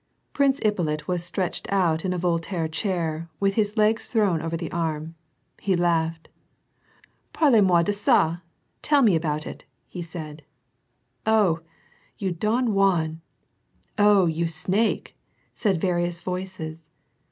" Prince Ippolit was stretched out in a Voltaire chair, with his legs thrown over the arm. He laughed, —" Farhz moi de ga — tell me about it," said he. " 0, you Don Juan !"" 0, you snake !" said various voices.